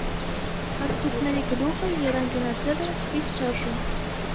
Հարցուկների գլուխը եռանկյունաձև է, խիստ շարժուն։